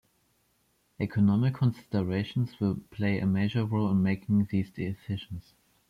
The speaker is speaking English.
Economic considerations will play a major role in making these decisions.